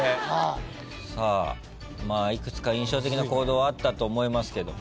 さあいくつか印象的な行動はあったと思いますけど。